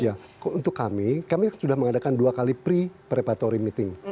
ya untuk kami kami sudah mengadakan dua kali pre prepatory meeting